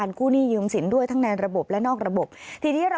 ฟังเสียงลูกจ้างรัฐตรเนธค่ะ